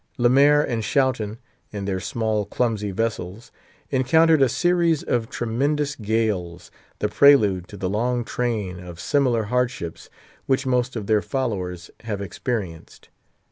Le Mair and Schouten, in their small, clumsy vessels, encountered a series of tremendous gales, the prelude to the long train of similar hardships which most of their followers have experienced.